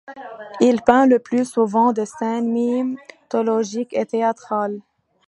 Il peint le plus souvent des scènes mythologiques et théâtrales.